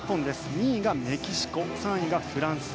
２位がメキシコ３位がフランス。